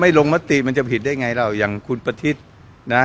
ลงมติมันจะผิดได้ไงเราอย่างคุณประทิศนะ